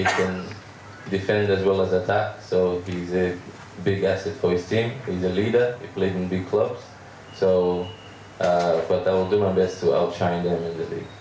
jadi saya akan melakukan yang terbaik untuk memperbaiki mereka di liga